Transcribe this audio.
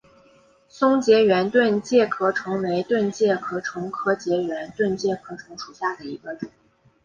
松栉圆盾介壳虫为盾介壳虫科栉圆盾介壳虫属下的一个种。